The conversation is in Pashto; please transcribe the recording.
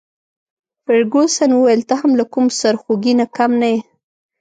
فرګوسن وویل: ته هم له کوم سرخوږي نه کم نه يې.